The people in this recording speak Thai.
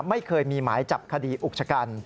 ไม่เคยมีหมายจับคดีอุกชะกัน